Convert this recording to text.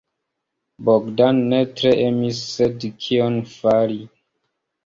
Bogdan ne tre emis, sed kion fari?